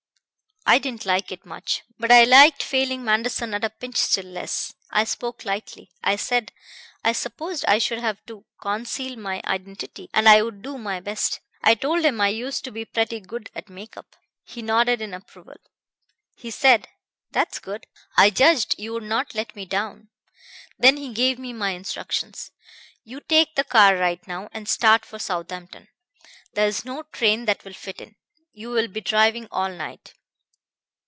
"I didn't like it much, but I liked failing Manderson at a pinch still less. I spoke lightly. I said I supposed I should have to conceal my identity, and I would do my best. I told him I used to be pretty good at make up. "He nodded in approval. He said: 'That's good. I judged you would not let me down.' Then he gave me my instructions 'You take the car right now and start for Southampton there's no train that will fit in. You'll be driving all night.